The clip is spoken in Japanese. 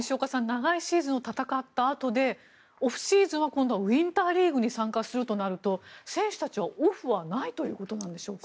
長いシーズンを戦ったあとでオフシーズンは今度はウィンターリーグに参加するとなると選手たちにオフはないということなんでしょうか？